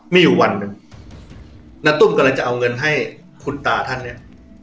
มีอยู่วันหนึ่งณตุ้มกำลังจะเอาเงินให้คุณตาท่านเนี่ย